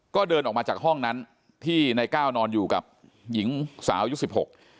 ก็เดินออกมาจากห้องนั้นที่นายก้าวนอนอยู่กับหญิงสาวยุคสิบหก